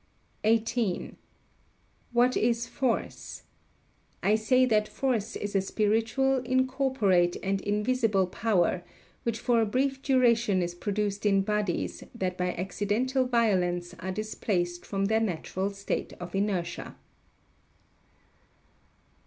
18. What is force? I say that force is a spiritual, incorporate and invisible power, which for a brief duration is produced in bodies that by accidental violence are displaced from their natural state of inertia.